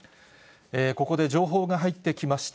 ここで情報が入ってきました。